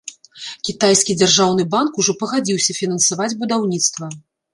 Кітайскі дзяржаўны банк ужо пагадзіўся фінансаваць будаўніцтва.